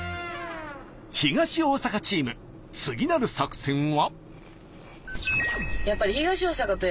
東大阪チーム次なる作戦は？